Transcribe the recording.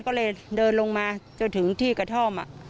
ก็เลยเดินลงมาจนถึงที่กระท่อม